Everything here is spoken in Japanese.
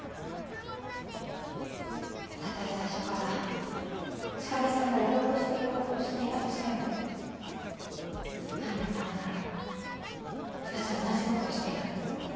たとえ最初から千景さんがやろうとしていたことを知っていたとしても兄のためなら私は同じことをしていたと思う。